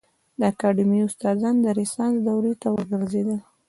د اکاډمي استادان د رنسانس دورې ته وګرځېدل.